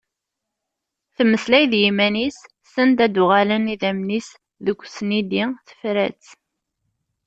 Temmeslay d yimman-is send a d-uɣalen idammen-is deg usnidi, tefra-tt…